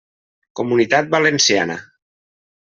Comunitat Valenciana.